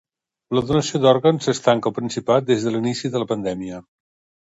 La donació d'òrgans s'estanca al Principat des de l'inici de la pandèmia.